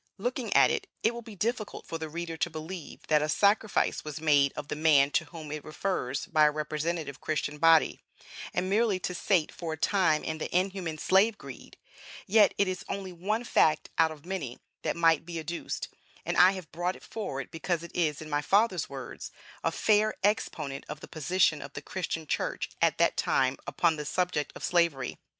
Looking at it, it will be difficult for the reader to believe that a sacrifice was made of the man to whom it refers by a representative Christian body, and merely to sate for a time the inhuman slave greed; yet it is only one fact out of many that might be adduced, and I have brought it forward because it is, in my father's words, "a fair exponent of the position of the Christian Church at that time upon the subject of Slavery."